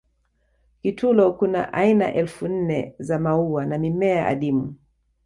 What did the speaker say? kitulo Kuna aina elfu nne za maua na mimea adimu